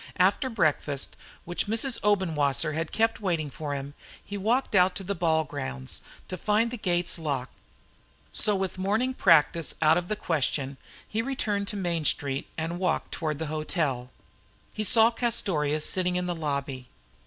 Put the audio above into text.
After breakfast, which Mrs. Obenwasser had kept waiting for him, he walked out to the ball grounds to find the gates locked. So with morning practice out of the question he returned to Main Street and walked toward the hotel. He saw Castorious sitting in the lobby.